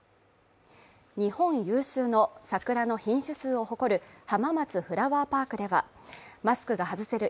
日本有数の桜の品種数を誇るはままつフラワーパークでは、マスクが外せる